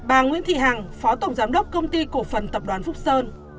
bà nguyễn thị hằng phó tổng giám đốc công ty cổ phần tập đoàn phúc sơn